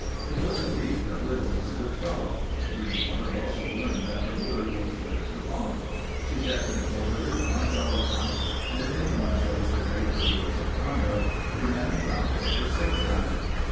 It was agreed that Lil was a good fellow. Greenwater also learned that her word was good as her bond. She kept an orderly five dollar house and if anyone chose to break her rules of conduct, he ran afoul of her six gun.